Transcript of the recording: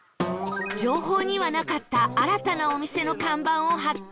情報にはなかった新たなお店の看板を発見